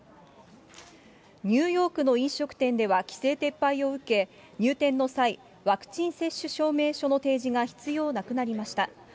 ニューヨークの飲食店では規制撤廃を受け、入店の際、ワクチン接種証明書の提示が必要なくなりました。